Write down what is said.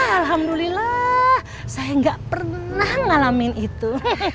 alhamdulillah saya gak pernah ngalamin itu